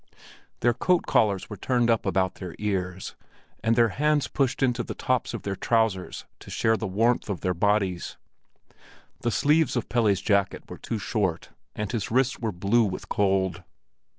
Their coat collars were turned up about their ears, and their hands pushed into the tops of their trousers to share in the warmth of their bodies. The sleeves of Pelle's jacket were too short, and his wrists were blue with cold.